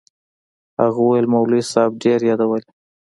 هغه وويل مولوي صاحب ډېر يادولې.